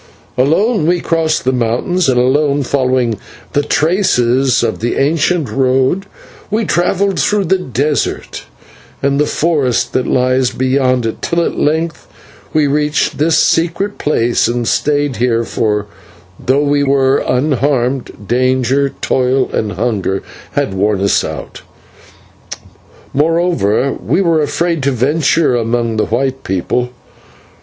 "Alone we crossed the mountains, and alone, following the traces of the ancient road, we travelled through the desert and the forest that lies beyond it, till at length we reached this secret place and stayed here, for, though we were unharmed, danger, toil, and hunger had worn us out, moreover we were afraid to venture among the white people.